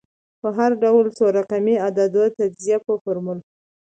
په هر ډول څو رقمي عدد د تجزیې په فورمول